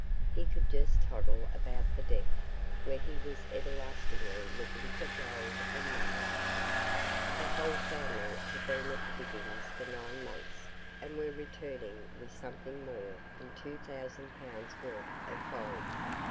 He could just toddle about the deck, where he was everlastingly looking for "dold," and "nuddets." The whole family had been at the diggings for nine months, and were returning with something more than 2,000 pounds worth of gold.